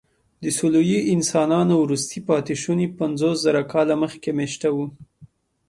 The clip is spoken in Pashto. د سولويي انسانانو وروستي پاتېشوني پنځوسزره کاله مخکې مېشته وو.